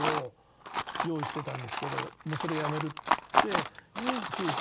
それやめるっつって急きょ